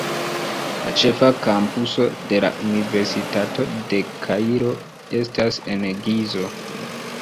La ĉefa kampuso de la Universitato de Kairo estas en Gizo.